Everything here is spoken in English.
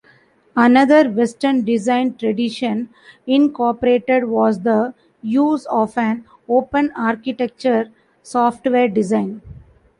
Another Western design tradition incorporated was the use of an open architecture software design.